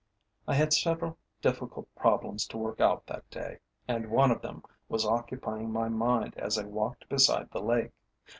I had several difficult problems to work out that day, and one of them was occupying my mind as I walked beside the lake.